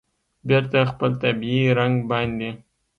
بېرته خپل طبیعي رنګ باندې